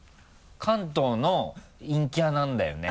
関東の陰キャなんだよね。